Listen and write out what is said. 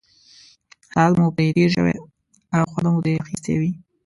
ساعت به مو پرې تېر شوی او خوند به مو ترې اخیستی وي.